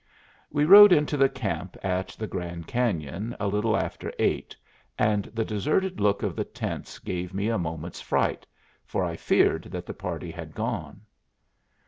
We rode into the camp at the Grand Cañon a little after eight, and the deserted look of the tents gave me a moment's fright, for I feared that the party had gone.